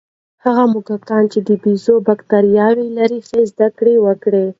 هغه موږکان چې د بیزو بکتریاوې لري، ښې زده کړې وکړې.